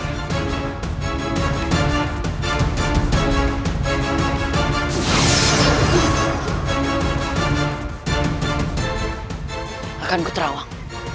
aku akan kuterawang